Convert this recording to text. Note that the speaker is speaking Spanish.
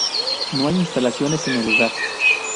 No hay instalaciones en el lugar.